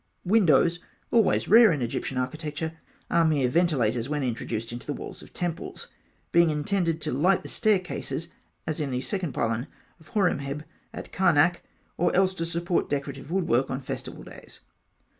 Windows, always rare in Egyptian architecture, are mere ventilators when introduced into the walls of temples, being intended to light the staircases, as in the second pylon of Horemheb at Karnak, or else to support decorative woodwork on festival days.